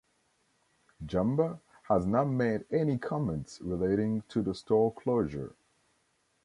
Jamba has not made any comments relating to the store closure.